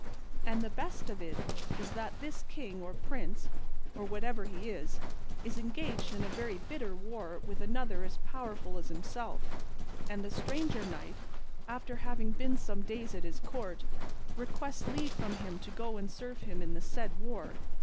And the best of it is that this king, or prince, or whatever he is, is engaged in a very bitter war with another as powerful as himself, and the stranger knight, after having been some days at his court, requests leave from him to go and serve him in the said war.